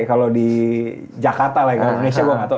kalau di jakarta lah kalau indonesia gue gak tau